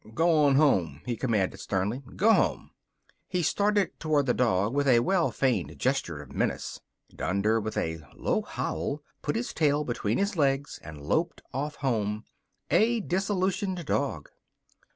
"Go on home!" he commanded sternly. "Go home!" He started toward the dog with a well feigned gesture of menace. Dunder, with a low howl, put his tail between his legs and loped off home, a disillusioned dog.